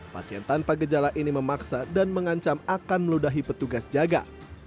pasien tanpa gejala ini memaksa dan mengancam akan meludahi petugas jaga